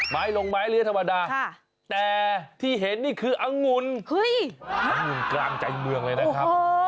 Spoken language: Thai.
ลงไม้เลื้อธรรมดาแต่ที่เห็นนี่คืออังุ่นอังุ่นกลางใจเมืองเลยนะครับ